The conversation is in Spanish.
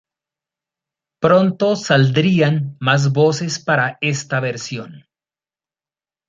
Pronto saldrían mas voces para esta versión.